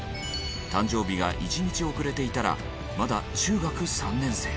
誕生日が１日遅れていたらまだ中学３年生。